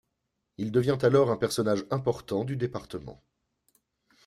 Il devient alors un personnage important du département.